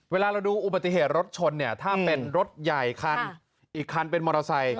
เวลาเราดูอุบัติเหตุรถชนเนี่ยถ้าเป็นรถใหญ่คันอีกคันเป็นมอเตอร์ไซค